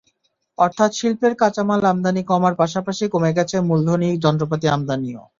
অর্থাৎ শিল্পের কাঁচামাল আমদানি কমার পাশাপাশি কমে গেছে মূলধনি যন্ত্রপাতি আমদানিও।